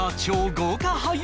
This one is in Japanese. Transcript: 豪華俳優